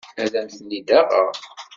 Ad am-tent-id-aɣeɣ.